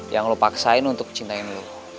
yang lo paksain untuk cintain lo